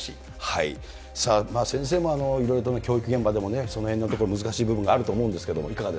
さあ、先生もいろいろと教育現場でもそのへんのところ、難しい部分があると思うんですけ